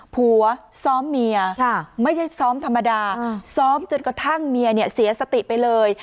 ผัวซ้อมเมียไม่ใช่ซ้อมธรรมดาซ้อมจนกระทั่งเมียเนี่ยเสียสติไปเลย